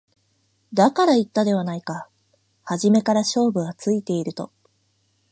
だから言ったではないか初めから勝負はついていると